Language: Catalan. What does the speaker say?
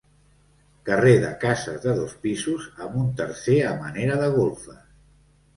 Carrer de cases de dos pisos amb un tercer a manera de golfes.